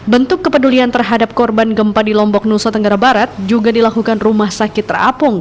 bentuk kepedulian terhadap korban gempa di lombok nusa tenggara barat juga dilakukan rumah sakit terapung